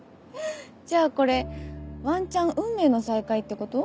じゃあこれワンチャン運命の再会ってこと？